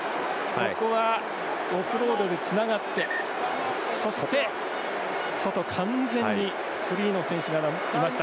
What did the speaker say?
ここはオフロードでつながってそして、外完全にフリーの選手がいました。